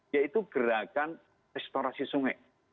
yaitu gerakan restorasi sungai